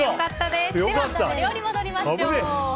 ではお料理に戻りましょう。